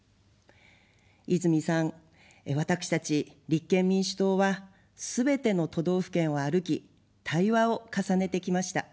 泉さん、私たち立憲民主党は、すべての都道府県を歩き、対話を重ねてきました。